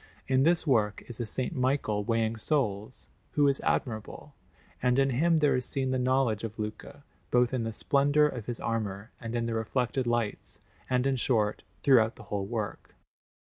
In this work is a S. Michael weighing souls, who is admirable; and in him there is seen the knowledge of Luca, both in the splendour of his armour and in the reflected lights, and, in short, throughout the whole work.